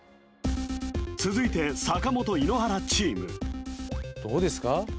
続いて坂本井ノ原チームどうですか？